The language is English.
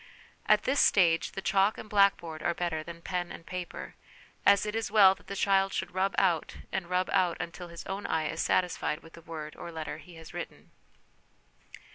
At this stage the chalk and blackboard are better than pen and paper, as it is well that the child should rub out and rub out until his own eye is satisfied with the word or letter he has written.